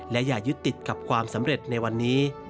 และอย่ายึดติดกับความสำเร็จในวันนี้